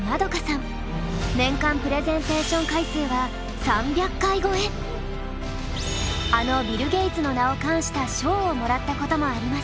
年間プレゼンテーション回数はあのビル・ゲイツの名を冠した賞をもらったこともあります。